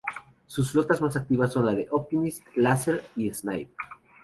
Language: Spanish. Sus flotas más activas son las de Optimist, Laser y Snipe.